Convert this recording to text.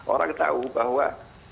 orang tahu bahwa